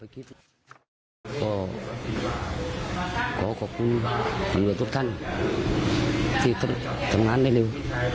ก็คิดก็ขอขอบคุณตำรวจทุกท่านที่ทำงานได้เร็ว